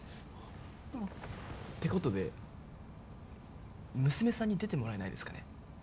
ってことで娘さんに出てもらえないですかね？